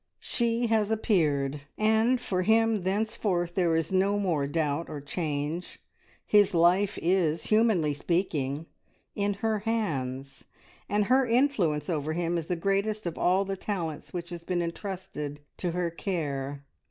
She has appeared, and for him thenceforth there is no more doubt or change; his life is, humanly speaking, in her hands, and her influence over him is the greatest of all the talents which has been entrusted to her care.